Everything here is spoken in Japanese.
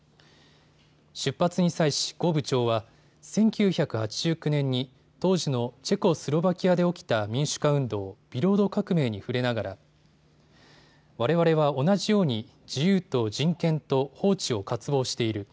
出発に際し、呉部長は１９８９年に当時のチェコスロバキアで起きた民主化運動、ビロード革命に触れながらわれわれは同じように自由と人権と法治を渇望している。